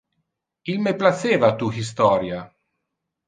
Il me placeva tu historia.